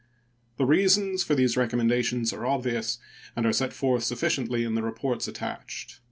The reasons for these recommendations are obvious, and are set forth sufficiently in the reports attached.